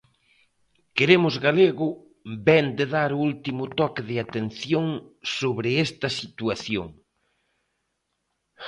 Queremos Galego vén de dar o último toque de atención sobre esta situación.